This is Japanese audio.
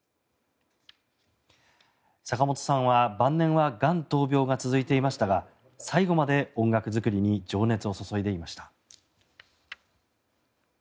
坂本さんは、晩年はがん闘病が続いていましたが最後まで音楽作りに情熱を注いでいました。